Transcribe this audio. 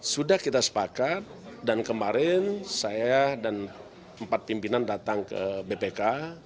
sudah kita sepakat dan kemarin saya dan empat pimpinan datang ke bpk